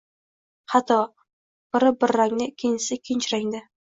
Xato. Biri bir rangda, ikkinchisi ikkinchi rangda.